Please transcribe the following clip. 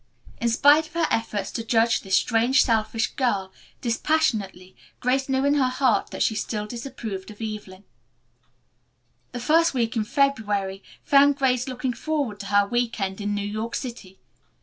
In spite of her efforts to judge this strange selfish girl dispassionately Grace knew in her heart that she still disapproved of Evelyn. The first week in February found Grace looking forward to her week end in New York City.